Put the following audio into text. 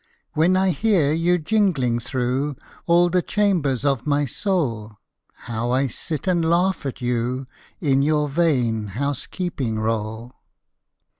When I hear you jingling through All the chambers of my soul, How I sit and laugh at you In your vain housekeeping rôle.